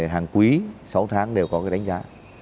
hàng quý sáu tháng đều có cái đánh giá